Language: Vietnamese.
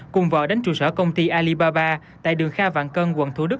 cùng vợ đến trụ sở công ty alibaba tại đường kha vạn cân quận thủ đức